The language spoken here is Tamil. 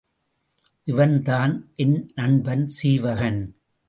இவன் தான் என் நண்பன் சீவகன்.